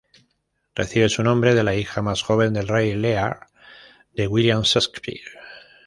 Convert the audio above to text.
Recibe su nombre de la hija más joven del Rey Lear de William Shakespeare.